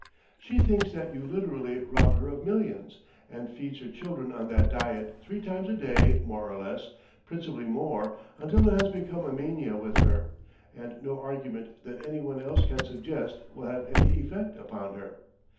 She thinks that you literally robbed her of millions, and feeds her children on that diet three times a day more or less, principally more, until it has become a mania with her, and no argument that any one else can suggest will have any effect upon her.